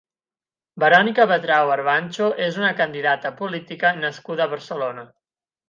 Verònica Bretau Barbancho és una candidata política nascuda a Barcelona.